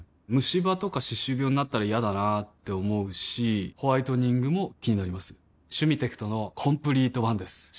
ムシ歯とか歯周病になったら嫌だなって思うしホワイトニングも気になります「シュミテクトのコンプリートワン」です